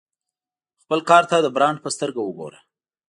خپل کار ته د برانډ په سترګه وګوره.